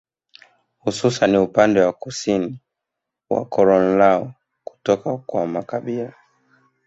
Hususan upande wa kusini wa koloni lao kutoka kwa makabila